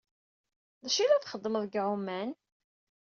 D acu ay la txeddmeḍ deg ɛuman?